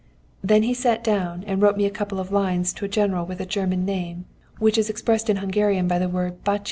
] "Then he sat down and wrote me a couple of lines to a General with a German name, which is expressed in Hungarian by the word Bacsi.